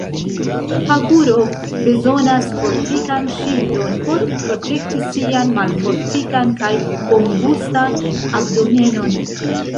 Paguro bezonas fortikan ŝildon por protekti sian malfortikan kaj bongustan abdomenon.